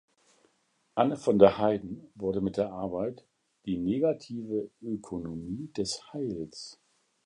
Anne von der Heiden wurde mit der Arbeit "Die negative Ökonomie des Heils.